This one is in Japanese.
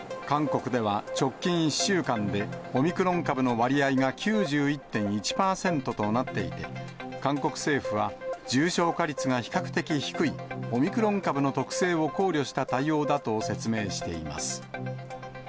韓国では直近１週間で、オミクロン株の割合が９１．１％となっていて、韓国政府は、重症化率が比較的低いオミクロン株の特性を考慮した対応だと説明しています。